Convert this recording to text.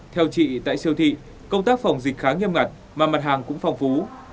theo chị tại siêu thị công tác phòng dịch khá nghiêm ngặt mà mặt hàng cũng phong phú